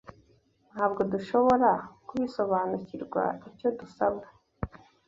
Ntabwo dushobora kubisobanukirwa icyo dusabwa